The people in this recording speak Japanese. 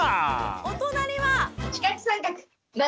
お隣は。